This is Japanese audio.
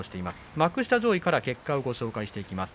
幕下上位から結果を見ていきます。